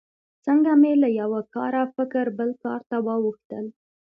څنګه مې له یوه کاره فکر بل کار ته واوښتل.